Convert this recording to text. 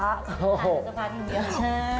ห่างกันซึกพระทีนี้